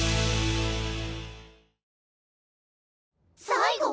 最後？